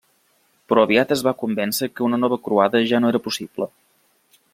Però aviat es va convèncer que una nova croada ja no era possible.